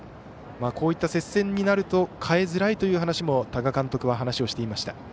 こうした接戦になると代えづらいという話も多賀監督は話をしていました。